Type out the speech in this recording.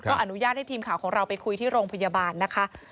อนุญาตให้ทีมข่าวของเราไปคุยที่โรงพยาบาลนะคะ